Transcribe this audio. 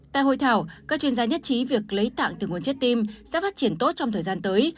tại hội thảo các chuyên gia nhất trí việc lấy tạng từ nguồn chất tim sẽ phát triển tốt trong thời gian tới